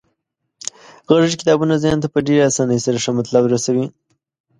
غږیز کتابونه ذهن ته په ډیرې اسانۍ سره ښه مطلب رسوي.